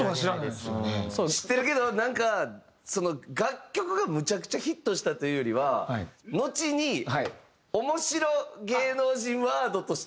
知ってるけどなんか楽曲がむちゃくちゃヒットしたというよりはのちにオモシロ芸能人ワードとして使われて。